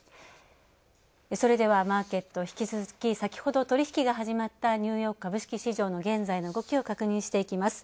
それでは、マーケット、引き続き、先ほど取引が始まったニューヨーク株式市場の現在の動きを確認していきます。